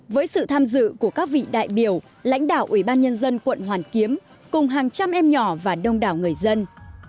với sự tham dự của các vị đại biểu lãnh đạo ủy ban nhân dân quận hoàn kiếm cùng hàng trăm em nhỏ và đông đảo người dân